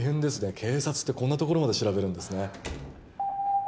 警察ってこんなところまで調べるんですね